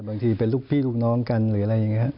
บางทีเป็นลูกพี่ลูกน้องกันหรืออะไรอย่างนี้ครับ